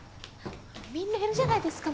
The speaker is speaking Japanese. みんないるじゃないですか。